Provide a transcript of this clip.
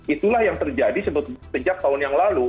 itulah yang terjadi sejak tahun yang lalu